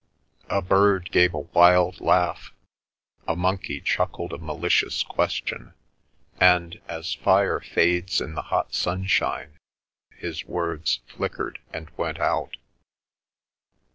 A bird gave a wild laugh, a monkey chuckled a malicious question, and, as fire fades in the hot sunshine, his words flickered and went out.